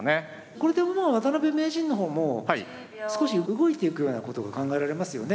これでもう渡辺名人の方も少し動いていくようなことが考えられますよね。